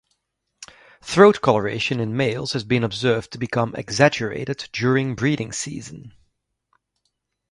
Throat coloration in males has been observed to become exaggerated during breeding season.